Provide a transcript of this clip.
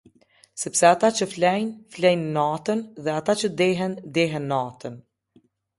Sepse ata që flejnë, flejnë natën, dhe ata që dehen, dehen natën.